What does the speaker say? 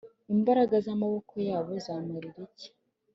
imbaraga z amaboko yabo zamarira iki